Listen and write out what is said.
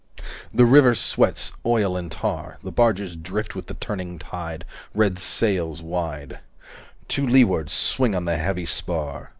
265 The river sweats Oil and tar The barges drift With the turning tide Red sails 270 Wide To leeward, swing on the heavy spar.